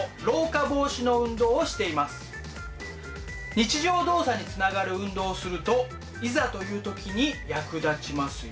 日常動作につながる運動をするといざという時に役立ちますよ。